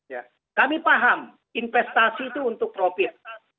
ya kami paham investasi itu untuk profit